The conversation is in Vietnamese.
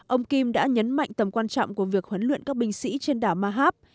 ông kim đã nhấn mạnh tầm quan trọng của việc huấn luyện các binh sĩ trên đảo mahab